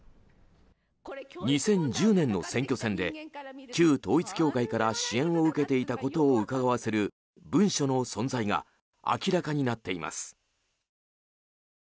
２０１０年の選挙戦で旧統一教会から支援を受けていたことをうかがわせる文書の存在が明らかになっています。